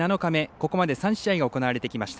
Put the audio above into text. ここまで３試合が行われてきました。